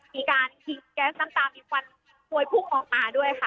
มีการยิงแก๊สน้ำตามีควันพวยพุ่งออกมาด้วยค่ะ